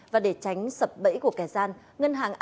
và để tránh sập bẫy của kẻ gian